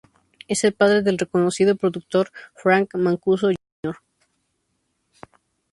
Es el padre del reconocido productor Frank Mancuso Jr.